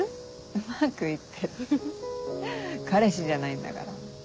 「うまく行ってる」彼氏じゃないんだから。